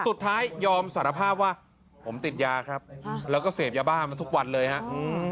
สุดท้ายยอมสารภาพว่าผมติดยาครับแล้วก็เสพยาบ้ามาทุกวันเลยฮะอืม